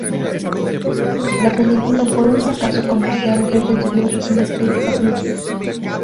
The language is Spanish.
La película fue un fracaso comercial y recibió reseñas críticas mixtas.